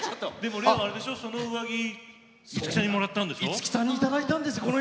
その衣装に五木さんからもらったんでしょう？